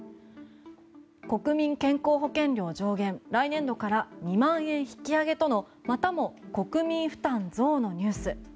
国民健康保険料上限来年度から２万円引き上げとのまたも国民負担増のニュース。